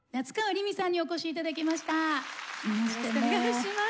よろしくお願いします。